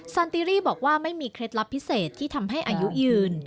สันติรี่บอกว่าไม่มีเคล็ดลับพิเศษที่ทำให้อายุยืน